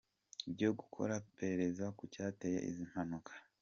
byo gukora iperereza ku cyateye izi mpanuka.